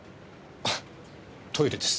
あっトイレです。